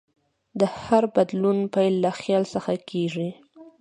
د هر بدلون پیل له خیال څخه کېږي.